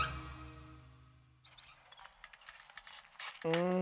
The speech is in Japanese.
うん